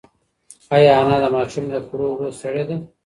ایا انا د ماشوم له کړو وړو ستړې ده؟